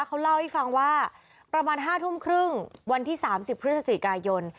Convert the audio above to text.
เขาเล่าให้ฟังว่าประมาณ๕ทุ่มครึ่งวันที่๓๐พฤศจิกายน